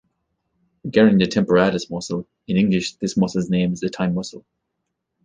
Regarding the temporalis muscle: in English, this muscle's name is the time muscle.